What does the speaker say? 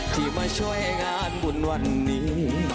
ที่มาช่วยงานบุญวันนี้